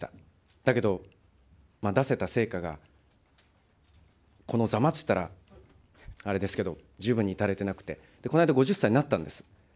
だけど、出せた成果がこのざまって言ったらあれですけど、十分に至れてなくて、この間５０歳になったんです。